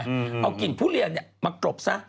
เอากลิ่นทุเรียนมากรบซะ